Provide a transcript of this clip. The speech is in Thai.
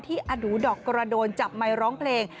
อดูดอกกระโดนจับไมค์ร้องเพลง